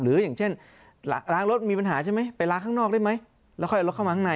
อย่างเช่นล้างรถมีปัญหาใช่ไหมไปล้างข้างนอกได้ไหมแล้วค่อยเอารถเข้ามาข้างใน